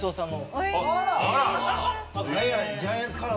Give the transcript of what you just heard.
・あら！